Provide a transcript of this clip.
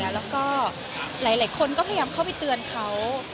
แล้วก็หลายคนก็พยายามเข้าไปเตือนเขา